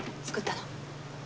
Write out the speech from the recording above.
作ったの？